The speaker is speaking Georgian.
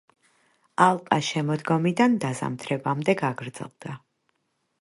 ალყა შემოდგომიდან დაზამთრებამდე გაგრძელდა.